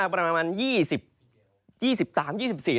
ทั้งเรื่องของฝน